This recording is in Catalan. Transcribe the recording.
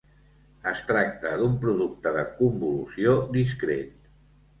Es tracta d'un producte de convolució discret.